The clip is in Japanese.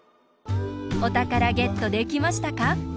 おたからゲットできましたか？